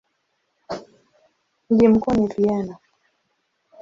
Mji mkuu ni Vienna.